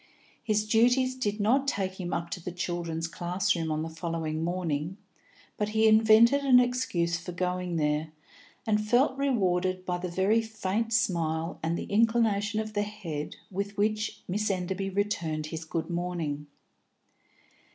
His duties did not take him up to the children's classroom on the following morning, but he invented an excuse for going there, and felt rewarded by the very faint smile and the inclination of the head with which Miss Enderby returned his "good morning."